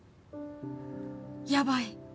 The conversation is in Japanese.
やばい。